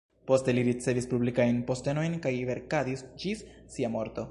Poste li ricevis publikajn postenojn kaj verkadis ĝis sia morto.